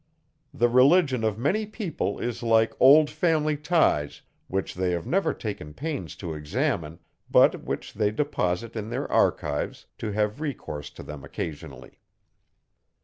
The religion of many people is like old family ties, which they have never taken pains to examine, but which they deposit in their archives to have recourse to them occasionally.